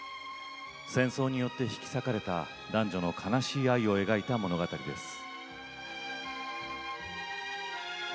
戦争によって引き裂かれた男女の悲しい愛を描いた物語です。